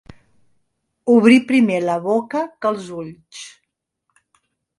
Obrir primer la boca que els ulls.